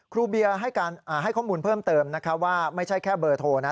เบียร์ให้ข้อมูลเพิ่มเติมนะคะว่าไม่ใช่แค่เบอร์โทรนะ